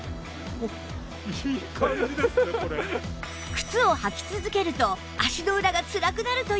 靴を履き続けると足の裏がつらくなるというお二人も